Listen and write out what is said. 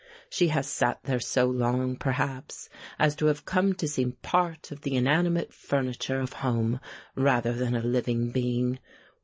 She has sat there so long, perhaps, as to have come to seem part of the inanimate furniture of home rather than a living being.